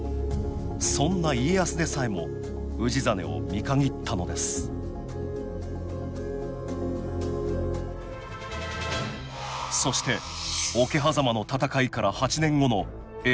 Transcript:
そんな家康でさえも氏真を見限ったのですそして桶狭間の戦いから８年後の永禄１１年。